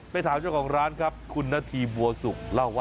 ไปถามเจ้าของร้านครับคุณณัทีบัวสุข